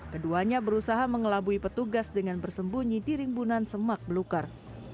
keduanya berusaha mengelabui petugas dengan bersembunyi di rimbunan semak belukar